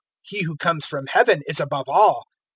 He who comes from Heaven is above all.